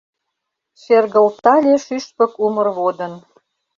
Шергылтале шӱшпык умыр водын.